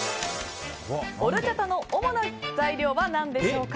オルチャタの主な材料は何でしょうか？